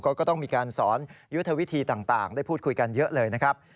เขาก็ต้องมีการสอนยุทธวิธีต่างได้พูดคุยกันเยอะเลยนะครับ